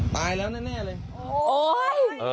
ตายแล้วแน่เลย